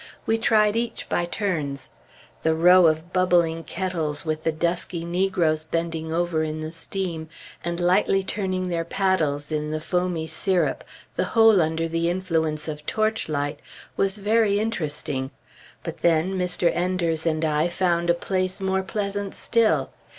We tried each by turns. The row of bubbling kettles with the dusky negroes bending over in the steam, and lightly turning their paddles in the foamy syrup, the whole under the influence of torchlight, was very interesting; but then, Mr. Enders and I found a place more pleasant still.